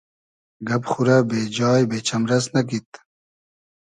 گئب خورۂ بې جای , بې چئمرئس نئگید